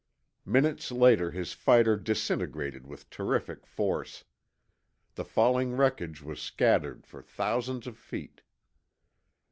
Minutes later, his fighter disintegrated with terrific force. The falling wreckage was scattered for thousands of feet.